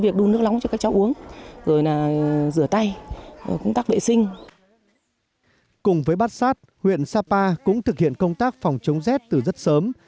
cùng với bát sát huyện sapa cũng thực hiện công tác phòng chống rét từ rất sớm